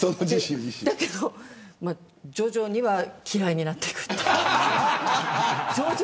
だけど徐々には嫌いになっていく。